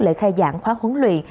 lễ khai giảng khóa huấn luyện